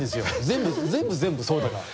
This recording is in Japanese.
全部全部全部そうだから。